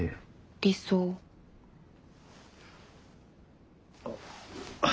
理想？あっ。